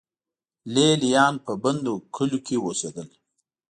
لې لیان په بندو کلیو کې اوسېدل